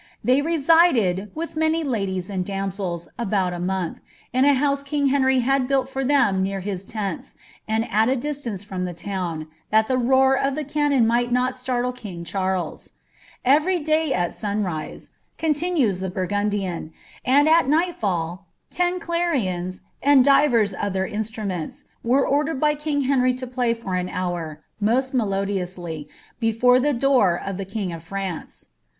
They resided, with many ladies and danucU about a month, in a hoasc king Henrj hod built for Uicm near hii tnok ami ai a distance from the tomi, thai the roar of ihe csnnoD might not «iartle king Charles, (^veiy day st sunrise," coiUiitu*. s ihe Burfuwln. ■■ and Bi nighifail, ten clarions, and diven oiher instrurnenis, nm •«• dered by king Henry lo play for an hour, nifwl melodiously, btSon tSi door of the king of France."